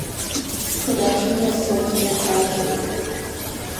Production has since been halted.